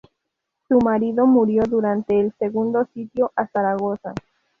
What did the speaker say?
Su marido murió durante el segundo sitio a Zaragoza.